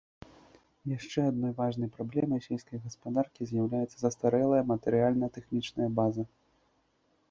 Яшчэ адной важнай праблемай сельскай гаспадаркі з'яўляецца састарэлая матэрыяльна-тэхнічная база.